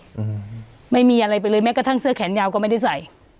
อืมไม่มีอะไรไปเลยแม้กระทั่งเสื้อแขนยาวก็ไม่ได้ใส่